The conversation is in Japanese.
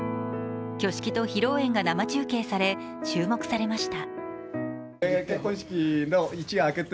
挙式と披露宴が生中継され、注目されました。